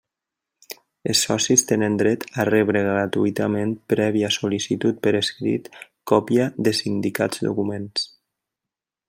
Els socis tenen dret a rebre gratuïtament, prèvia sol·licitud per escrit, còpia dels indicats documents.